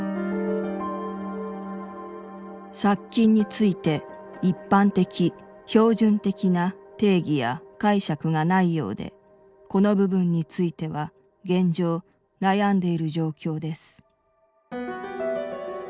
「殺菌について一般的標準的な定義や解釈がないようでこの部分については現状悩んでいる状況です」。